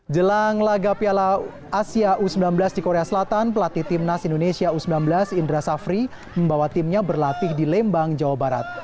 jelang laga piala asia u sembilan belas di korea selatan pelatih timnas indonesia u sembilan belas indra safri membawa timnya berlatih di lembang jawa barat